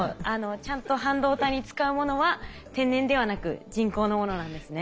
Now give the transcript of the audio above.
ちゃんと半導体に使うものは天然ではなく人工のものなんですね。